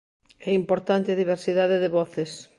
É importante a diversidade de voces.